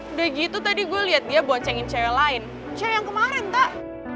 udah gitu tadi gue lihat dia boncengin cewek lain che yang kemarin tak